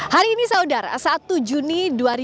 hari ini saudara satu juni dua ribu dua puluh